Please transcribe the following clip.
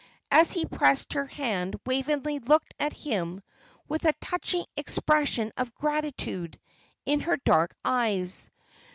As he pressed her hand, Waveney looked at him with a touching expression of gratitude in her dark eyes.